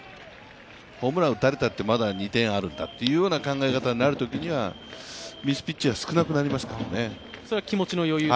ホームラン打たれたって、まだ２点あるんだという考え方になるときにはミスピッチが少なくなりますからね。